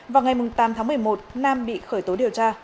vào ngày tám tháng một mươi một nam bị khởi tố điều tra